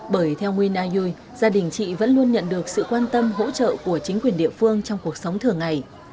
bởi theo nguyên na youi gia đình chị vẫn luôn nhận được sự quan tâm hỗ trợ của chính quyền địa phương trong cuộc sống thường ngày